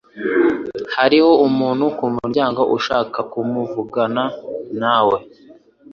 Hariho umuntu kumuryango ushaka kuvugana nawe.